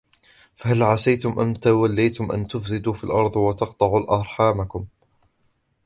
فَهَلْ عَسَيْتُمْ إِنْ تَوَلَّيْتُمْ أَنْ تُفْسِدُوا فِي الْأَرْضِ وَتُقَطِّعُوا أَرْحَامَكُمْ